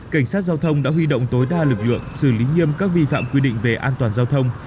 cảnh sát giao thông đã huy động tối đa lực lượng xử lý nghiêm các vi phạm quy định về an toàn giao thông